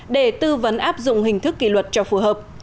để tư vấn áp dụng hình thức kỷ luật cho phù hợp